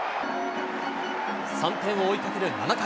３点を追いかける７回。